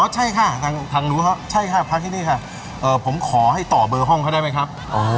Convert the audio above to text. ใช่ค่ะทางนู้นเขาใช่ค่ะพักที่นี่ค่ะผมขอให้ต่อเบอร์ห้องเขาได้ไหมครับ